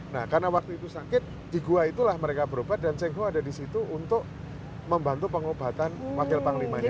nah karena waktu itu sakit di gua itulah mereka berobat dan cengho ada di situ untuk membantu pengobatan wakil panglimanya